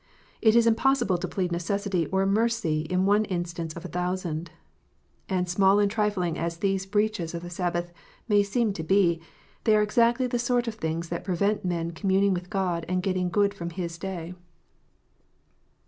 It is impossible to plead necessity or mercy in one instance of a thousand. And small and trifling as these breaches of the Sabbath may seem to be, they are exactly the sort of things that prevent men communing with God and getting good from His Day.